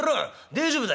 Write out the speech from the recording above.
大丈夫だ。